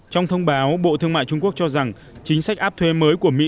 trong thông báo bộ thương mại trung quốc cho rằng chính sách áp thuê mới của mỹ